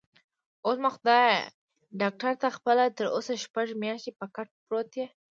اووه، زما خدایه، ډاکټره ته خپله تراوسه شپږ میاشتې په کټ کې پروت یې؟